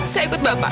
saya ikut bapak